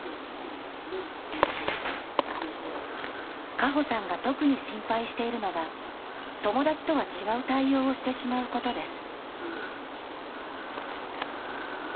佳歩さんが特に心配しているのが、友達とは違う対応をしてしまうことです。